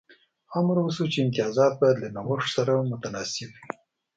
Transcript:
امر وشو چې امتیازات باید له نوښت سره متناسب وي.